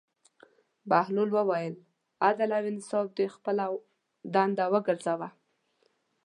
بهلول وویل: عدل او انصاف دې خپله دنده وګرځوه.